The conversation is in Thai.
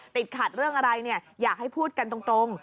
ติดขัดเรื่องอะไรเนี่ยอยากให้พูดกันตรง